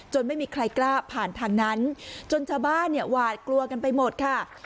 ไม่มีใครกล้าผ่านทางนั้นจนชาวบ้านเนี่ยหวาดกลัวกันไปหมดค่ะ